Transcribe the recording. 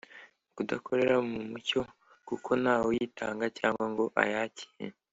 kudakorera mu mucyo kuko ntawuyitanga cyangwa ngo ayakire ku